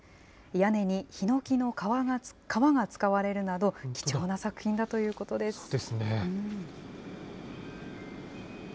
屋根にひのきの皮が使われるなど、貴重な作品だということです。